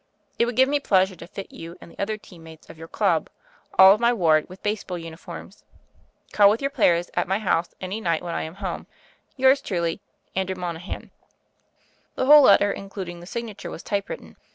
It would give me pleasure to fit you and the other team mates of your club, all of my ward, with baseball uni forms. Call with your players at my house any night when I am home. "Yours truly, "Andrew Monahan." The whole letter, including the signature, was typewritten.